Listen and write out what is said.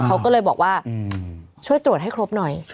เขาก็เลยบอกว่าช่วยตรวจให้ครบหน่อย